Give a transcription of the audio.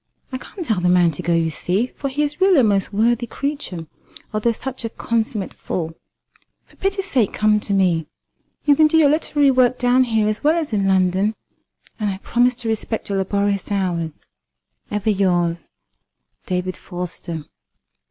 I can't tell the man to go, you see, for he is really a most worthy creature, although such a consummate fool. For pity's sake come to me. You can do your literary work down here as well as in London, and I promise to respect your laborious hours. Ever yours, "DAVID FORSTER."